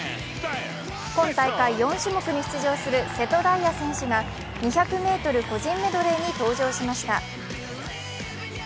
今大会４種目に出場する瀬戸大也選手が２００ｍ個人メドレーに登場しました。